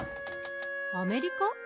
アメリカ？